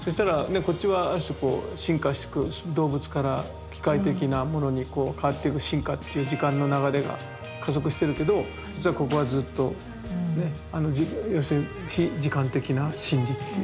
こっちはある種こう進化してく動物から機械的なものにこう変わっていく進化っていう時間の流れが加速してるけど実はここはずっとねあの要するに非時間的な真理っていう。